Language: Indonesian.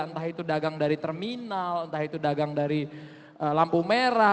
entah itu dagang dari terminal entah itu dagang dari lampu merah